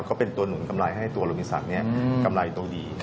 ก็เป็นตัวหนุนกำไรให้ตัวโรบินสัตว์นี้กำไรโตดี